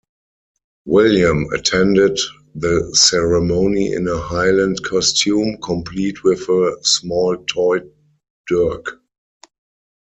William attended the ceremony in a Highland costume, complete with a small toy dirk.